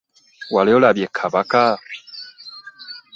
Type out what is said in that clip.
Wali olabye ku kabaka?